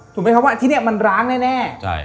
ถูกไหมครับว่าที่นี่มันร้างแน่